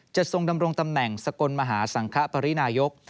ทรงดำรงตำแหน่งสกลมหาสังคปรินายก